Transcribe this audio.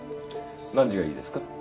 何時がいいですか？